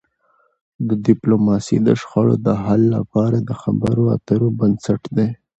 ډيپلوماسي د شخړو د حل لپاره د خبرو اترو بنسټ دی.